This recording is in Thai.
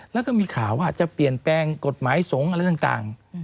แล้วก็มีข่าวว่าจะเปลี่ยนแปลงกฎหมายสงฆ์อะไรต่าง